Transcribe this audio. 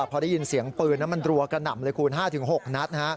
พอได้ยินเสียงปืนมันรัวกระหน่ำเลยคุณ๕๖นัด